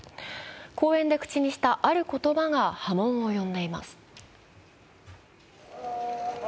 講演で口にした、ある言葉が波紋を呼んでいます。